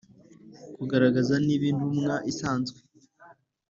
Kugaragaza niba intumwa isanzwe